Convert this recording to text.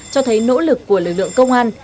cho thấy nỗ lực của lực lượng công an